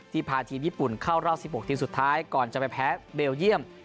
พาทีมญี่ปุ่นเข้ารอบ๑๖ทีมสุดท้ายก่อนจะไปแพ้เบลเยี่ยม